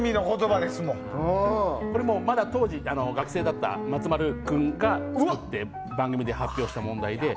まだ当時学生だった松丸君が作って番組で発表した問題で。